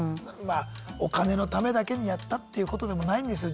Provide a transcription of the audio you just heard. お金のためだけにやったっていうことでもないんですよ